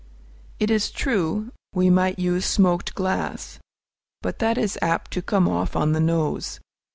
It is true, we might use smoked glass, but that is apt to come off on the nose.